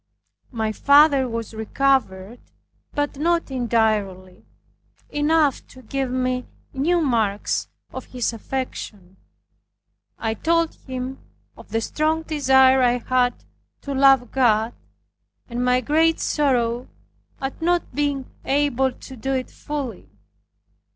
My father was recovered, but not entirely, enough to give me new marks of his affection. I told him of the strong desire I had to love God, and my great sorrow at not being able to do it fully.